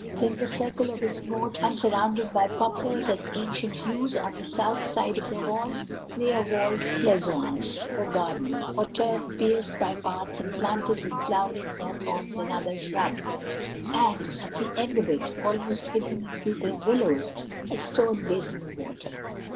Within the circle of this moat, and surrounded by poplars and ancient yews, on the south side of the Hall lay a walled pleasaunce, or garden, of turf pierced by paths and planted with flowering hawthorns and other shrubs, and at the end of it, almost hidden in drooping willows, a stone basin of water.